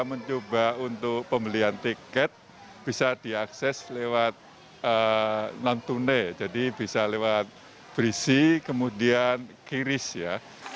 mencoba untuk pembelian tiket bisa diakses lewat non tunai jadi bisa lewat berisi kemudian kiris ya